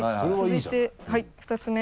続いてはい２つ目。